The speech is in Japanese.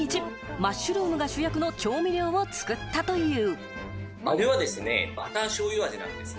マッシュルームが主役の調味料を作ったという。